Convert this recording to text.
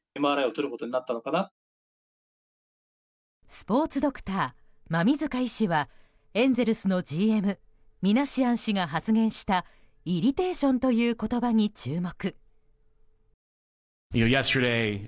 スポーツドクター馬見塚医師はエンゼルスのＧＭミナシアン氏が発言したイリテーションという言葉に注目。